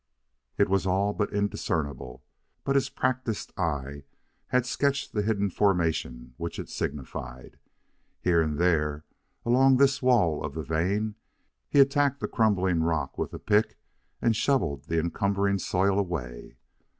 It was all but indiscernible, but his practised eye had sketched the hidden formation which it signified. Here and there, along this wall of the vein, he attacked the crumbling rock with the pick and shoveled the encumbering soil away.